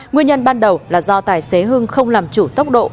nguyên nhân ban đầu là do tài xế hưng không làm chủ tốc độ